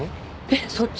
えっ？